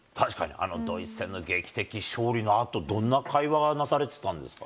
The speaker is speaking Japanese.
あのドイツ戦の劇的勝利のあと、どんな会話がなされてたんですか。